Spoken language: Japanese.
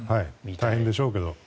大変でしょうけど。